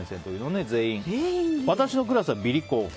私のクラスはビリ候補。